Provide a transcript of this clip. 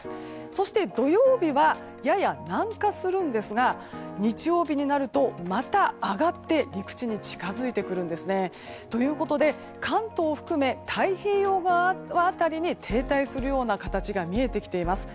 そして、土曜日はやや南下するんですが日曜日になるとまた上がって陸地に近づいてくるんですね。ということで、関東を含め太平洋側辺りに停滞する形が見えてきています。